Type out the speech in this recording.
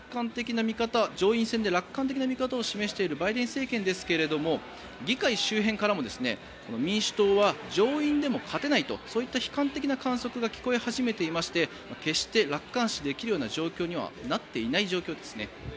上院選で楽観的な見方を示しているバイデン政権ですが議会周辺からも民主党は上院でも勝てないとそういった悲観的な観測が聞こえ始めてきていて決して、楽観視できるような状況にはなっていない状況ですね。